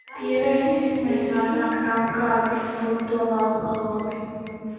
Pievērsīsimies vairāk tam, kā tu to valkā, labi?